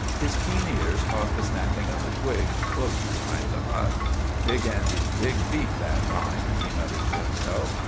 His keen ears caught the snapping of a twig close behind the hut. "Big Andy's big feet that time," he muttered to himself.